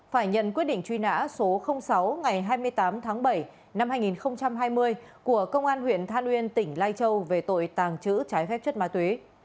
phải nhận quyết định truy nã số sáu ngày hai mươi tám tháng bảy năm hai nghìn hai mươi của công an huyện than uyên tỉnh lai châu về tội tàng trữ trái phép chất ma túy